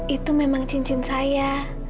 itu memang cincin saya